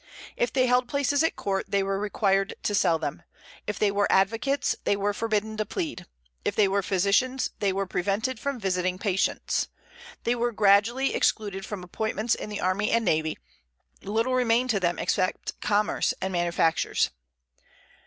If they held places at court, they were required to sell them; if they were advocates, they were forbidden to plead; if they were physicians, they were prevented from visiting patients. They were gradually excluded from appointments in the army and navy; little remained to them except commerce and manufactures.